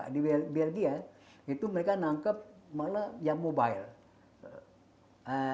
di belgia itu mereka nangkep malah yang mobile